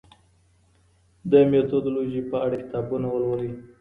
د میتودولوژي په اړه کتابونه ولولئ.